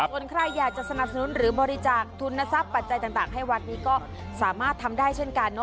ส่วนใครอยากจะสนับสนุนหรือบริจาคทุนทรัพย์ปัจจัยต่างให้วัดนี้ก็สามารถทำได้เช่นกัน